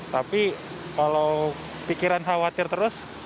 tapi kalau pikiran khawatir terus